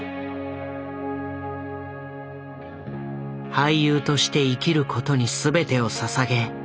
俳優として生きることに全てをささげ